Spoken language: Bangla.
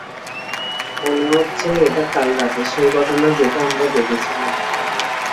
মনে হচ্ছে এটা কাল রাতের সেই ঘটনা যেটা আমরা দেখেছিলাম।